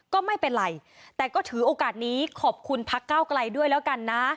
ก็ไม่เป็นไรแต่ก็ถือโอกาสนี้ขอบคุณพักเก้าไกลด้วยแล้วกันนะ